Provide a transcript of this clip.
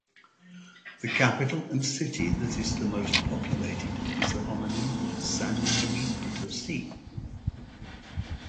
The capital and city that is the most populated is the homonym San Luis Potosí.